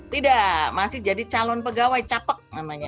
tidak masih jadi calon pegawai capek namanya